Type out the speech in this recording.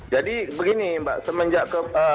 jadi begini mbak semenjak